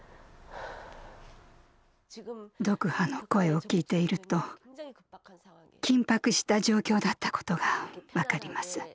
ドクハの声を聞いていると緊迫した状況だったことが分かります。